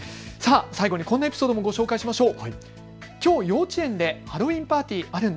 最後にこんなエピソードも紹介しましょう。